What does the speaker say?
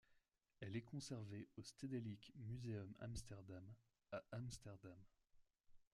Elle est conservée au Stedelijk Museum Amsterdam, à Amsterdam.